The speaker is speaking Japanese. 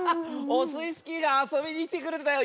オスイスキーがあそびにきてくれたよ！